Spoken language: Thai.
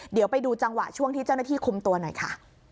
เดี๋ยวไปดูจังหวะช่วงที่เจ้าหน้าที่คุมตัวหน่อยค่ะ